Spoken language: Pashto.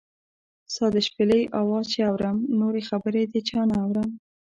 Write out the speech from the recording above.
ستا د شپېلۍ اواز چې اورم، نورې خبرې د چا نۀ اورم